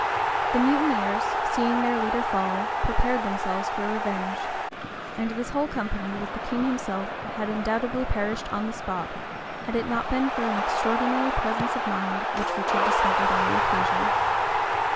The mutineers, seeing their leader fall, prepared themselves for revenge; and this whole company, with the king himself, had undoubtedly perished on the spot, had it not been for an extraordinary presence of mind which Richard discovered on the occasion.